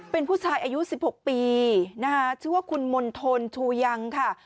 เป็นผู้ชายอายุ๑๖ปีนะคะชื่อว่าคุณมณฑลชูยังค่ะ